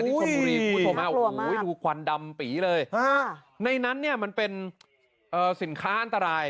ที่สมบูรณ์รีฟุทธมากดูควันดำปีเลยในนั้นเนี่ยมันเป็นสินค้าอันตราย